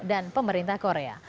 dan pemerintah korea